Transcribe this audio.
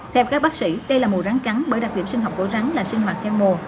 theo các bác sĩ đây là mùa rắn cắn bởi đặc điểm sinh học của rắn là sinh hoạt theo mùa